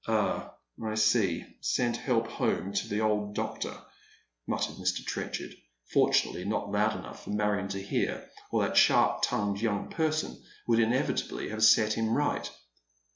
" All, I see, sent help home to the old doctor," muttered Mr, Trenchard, fortunately not loud enough for Marion to hear, or that sharp tongued young person would inevitably have set him right.